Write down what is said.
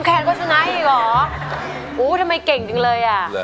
น้องแคนก็ชนะอีกหรอทำไมเก่งจริงเลย